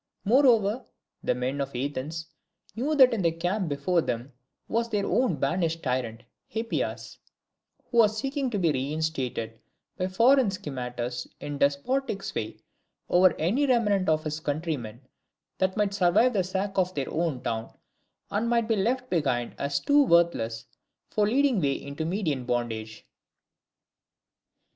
Moreover, the men of Athens knew that in the camp before them was their own banished tyrant, Hippias, who was seeking to be reinstated by foreign scimitars in despotic sway over any remnant of his countrymen that might survive the sack of their town, and might be left behind as too worthless for leading away into Median bondage.